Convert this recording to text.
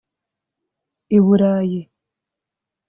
i Burayi